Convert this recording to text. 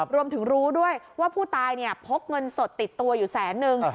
รู้ด้วยว่าผู้ตายพกเงินสดติดตัวอยู่แสนนึง